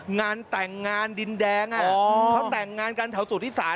งานแต่งงานดินแดงเขาแต่งงานกันแถวสุธิศาล